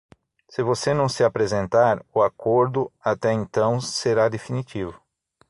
Se você não se apresentar, o acordo, até então, será definitivo.